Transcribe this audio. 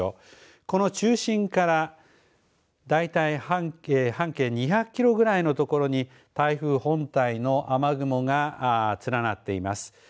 この中心からだいたい半径２００キロぐらいのところに台風本体の雨雲が連なっています。